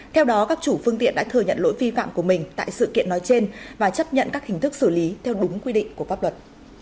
theo đó các chủ phương tiện đã thừa nhận lỗi vi phạm của mình tại sự kiện nói trên và chấp nhận các hình thức xử lý theo đúng quy định của pháp luật